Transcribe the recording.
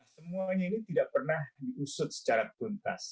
semuanya ini tidak pernah diusut secara tuntas